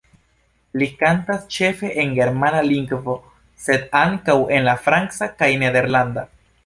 Li kantas ĉefe en germana lingvo, sed ankaŭ en la franca kaj nederlanda.